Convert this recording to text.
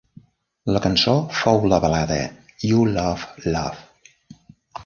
La cançó fou la balada "You Love Love".